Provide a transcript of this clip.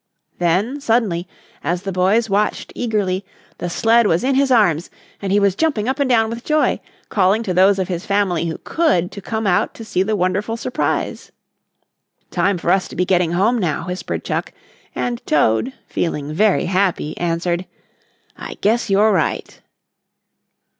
Then suddenly, as the boys watched eagerly, the sled was in his arms and he was jumping up and down with joy, calling to those of his family who could, to come out to see the wonderful surprise. "Time for us to be getting home now," whispered Chuck, and Toad, feeling very happy, answered: "I guess you're right."